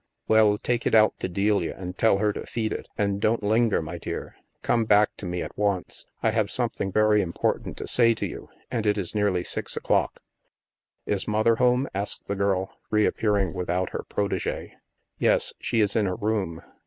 " Well, take it out to Delia, and tell her to feed it. And don't linger, my dear. Come back to me at once. I have something very important to say to you, and it is nearly six o'clock." "Is Mother home?" asked the girl, reappearing without her protege. "Yes. She is in her room.